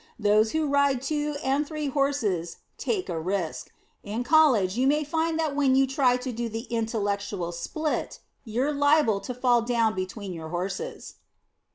Those who ride two and three horses take a risk. In College you may find that when you try to do the intellectual split, you're liable to fall down between your horses.